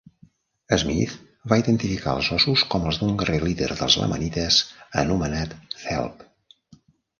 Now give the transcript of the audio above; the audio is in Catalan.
Smith va identificar els ossos com els d'un guerrer líder dels lamanites anomenat Zelph.